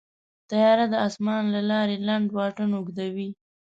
طیاره د اسمان له لارې لنډ واټن اوږدوي.